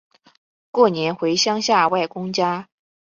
过年回乡下外公家